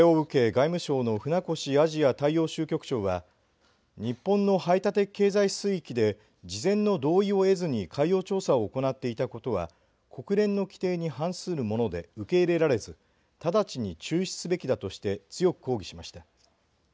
外務省の船越アジア大洋州局長は日本の排他的経済水域で事前の同意を得ずに海洋調査を行っていたことは国連の規定に反するもので受け入れられず直ちに中止すべきだとして強く抗議しました。